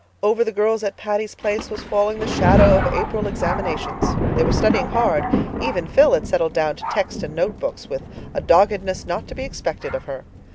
Over the girls at Patty's Place was falling the shadow of April examinations. They were studying hard; even Phil had settled down to text and notebooks with a doggedness not to be expected of her.